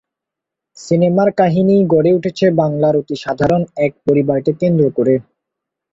সিনেমার কাহিনী গড়ে উঠেছে বাংলার অতি সাধারণ এক পরিবারকে কেন্দ্র করে।